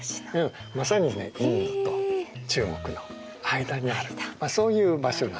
まさにねインドと中国の間にあるそういう場所なんですね。